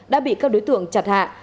đã bị các đối tượng chặt hạ